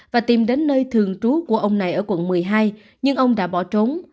và tìm đến nơi thường trú của ông này ở quận một mươi hai nhưng ông đã bỏ trốn